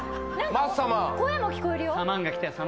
声も聞こえるよ。